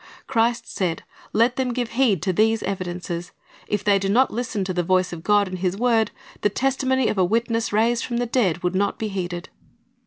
Christ said. Let them give heed to these evidences. If they do not listen to the voice of God in His word, the testimony of a witness raised from the dead would not be heeded.